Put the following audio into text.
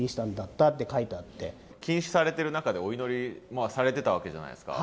禁止されてる中でお祈りされてたわけじゃないですか。